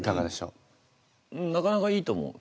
うんなかなかいいと思う。